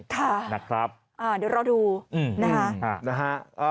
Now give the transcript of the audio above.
เดี๋ยวเราดูนะฮะ